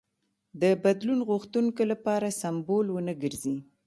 د بدلون غوښتونکو لپاره سمبول ونه ګرځي.